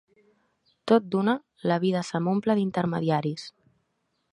Tot d'una, la vida se m'omple d'intermediaris.